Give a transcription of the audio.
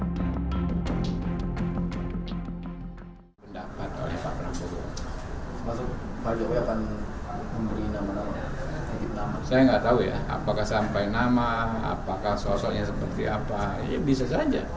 saya nggak tahu ya apakah sampai nama apakah sosoknya seperti apa ya bisa saja